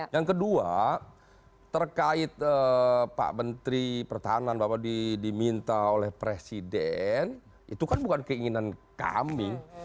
yang kedua terkait pak menteri pertahanan bahwa diminta oleh presiden itu kan bukan keinginan kami